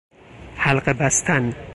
حلقه بستن